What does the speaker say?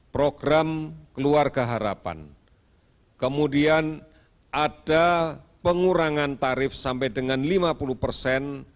program keluarga harapan kemudian ada pengurangan tarif sampai dengan lima puluh persen